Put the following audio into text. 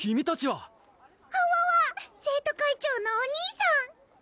はわわ生徒会長のお兄さん！